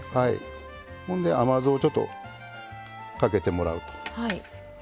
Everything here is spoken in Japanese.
甘酢をちょっとかけてもらうと。